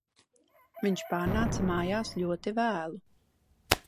Viņš pārnāca mājās ļoti vēlu